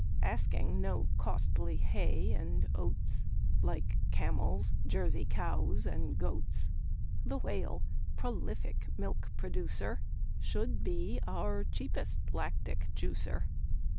Asking no costly hay and oats, Like camels, Jersey cows, and goats, The Whale, prolific milk producer, Should be our cheapest lactic juicer.